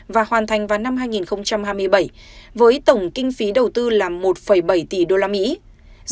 và hoàn thành vào năm hai nghìn hai mươi bảy với tổng kinh phí đầu tư là một bảy tỷ usd